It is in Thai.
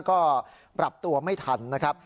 ก็ปรับตัวไม่ทันนะครับ